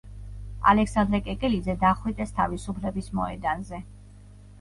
ალექსანდრე კეკელიძე დახვრიტეს თავისუფლების მოედანზე.